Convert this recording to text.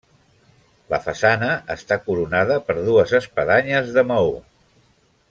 La façana està coronada per dues espadanyes de maó.